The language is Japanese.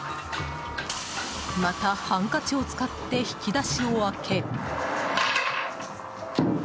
また、ハンカチを使って引き出しを開け。